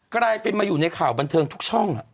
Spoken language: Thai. กลายเป็นมาอยู่ในข่าวบันเทิงทุกช่อง